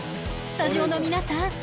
スタジオの皆さん